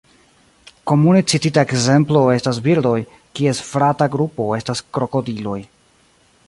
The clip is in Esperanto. Komune citita ekzemplo estas birdoj, kies frata grupo estas krokodiloj.